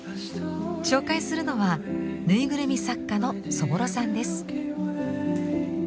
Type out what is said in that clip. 紹介するのはぬいぐるみ作家のそぼろさんです。